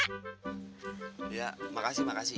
ya terima kasih terima kasih